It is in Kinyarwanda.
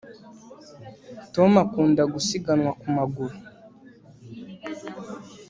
tom akunda gusiganwa ku maguru